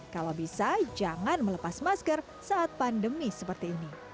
kalau bisa jangan melepas masker saat pandemi seperti ini